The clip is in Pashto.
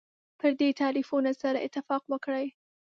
پر دې تعریفونو سره اتفاق وکړي.